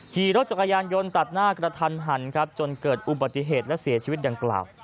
ขี่รถจักรยานยนต์ตัดหน้ากระทันหันครับจนเกิดอุบัติเหตุและเสียชีวิตดังกล่าว